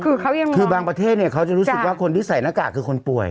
คือเขายังมีคือบางประเทศเนี่ยเขาจะรู้สึกว่าคนที่ใส่หน้ากากคือคนป่วย